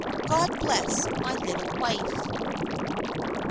God bless my little wife."